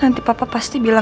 nanti papa pasti bilang ke al